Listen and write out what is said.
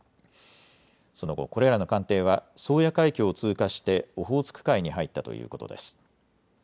その後、これらの艦艇は宗谷海峡を通過してオホーツク海に入ったということです。